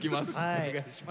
お願いします。